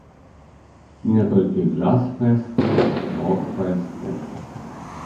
Не толькі джаз-фэсты, рок-фэсты!